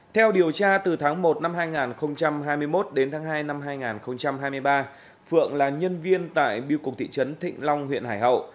theo điều tra từ tháng một năm hai nghìn hai mươi một đến tháng hai năm hai nghìn hai mươi ba phượng là nhân viên tại biêu cục thị trấn thịnh long huyện hải hậu